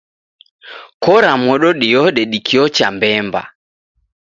Kora modo diode dikiocha mbemba